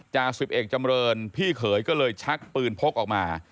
จาสิบเอกจำเรินพี่เขยก็เลยชักปืนพกออกมา